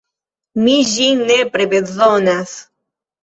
Mi ĝin nepre bezonas.